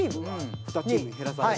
２チーム減らされるんだ。